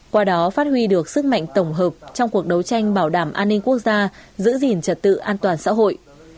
qua đó phát huy được sức mạnh tổng hợp trong cuộc đấu tranh bảo đảm an ninh quốc gia giữ gìn trật tự an toàn xã hội